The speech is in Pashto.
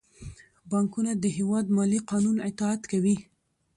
بانکونه د هیواد د مالي قانون اطاعت کوي.